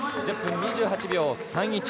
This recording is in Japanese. １０分２８秒３１。